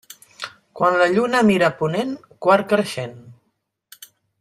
Quan la lluna mira a ponent, quart creixent.